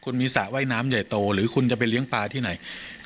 คุณมีสระว่ายน้ำใหญ่โตหรือคุณจะไปเลี้ยงปลาที่ไหน